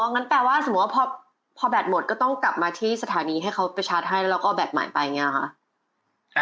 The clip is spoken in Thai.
งั้นแปลว่าสมมุติว่าพอแบตหมดก็ต้องกลับมาที่สถานีให้เขาไปชาร์จให้แล้วเราก็เอาแบตใหม่ไปอย่างนี้ค่ะ